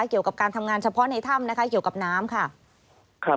เกี่ยวกับการทำงานเฉพาะในถ้ำนะคะเกี่ยวกับน้ำค่ะ